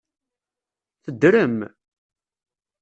Teddrem?